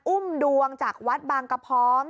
อุ้มดวงจากวัดบางกระพร้อม